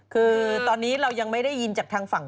คือตอนนี้เรายังไม่ได้ยินจากทางฝั่ง